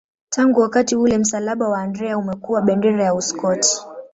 Tangu wakati ule msalaba wa Andrea umekuwa bendera ya Uskoti.